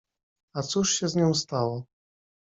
— A cóż się z nią stało?